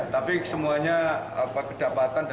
tapi semuanya kedapatan